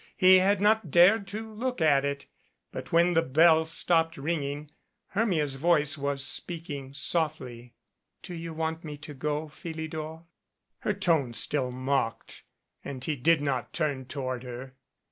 He had not dared to look at it. But when the bell stopped ring ing, Hermia's voice was speaking softly. "Do you want me to go, Philidor?" Her tone still mocked and he did not turn toward her.